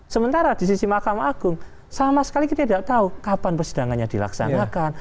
sementara di sisi mahkamah agung sama sekali kita tidak tahu kapan persidangannya dilaksanakan